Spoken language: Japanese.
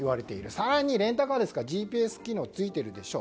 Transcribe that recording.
更に、レンタカーですからＧＰＳ機能がついているでしょう。